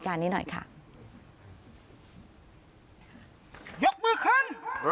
เอามืออันไหน